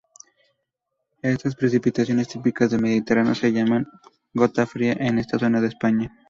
Estas precipitaciones típicas del mediterráneo se llaman "gota fría" en esta zona de España.